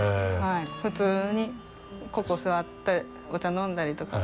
普通にここ座って、お茶飲んだりとか。